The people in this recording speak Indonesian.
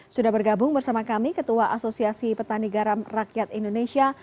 sudah bergabung bersama kami ketua asosiasi petani garam rakyat indonesia